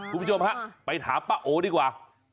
คุณผู้ชมฮะไปถามป้าโอดีกว่า